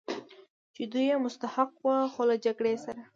چې دوی یې مستحق و، خو له جګړې سره.